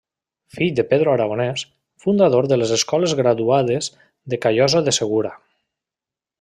Fill de Pedro Aragonés, fundador de les Escoles Graduades de Callosa de Segura.